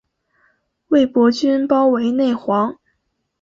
魏博军包围内黄。